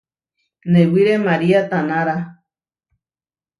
Newíre María tanára.